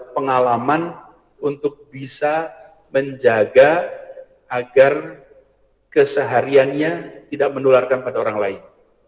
pengalaman untuk bisa menjaga agar kesehariannya tidak menularkan pada orang lain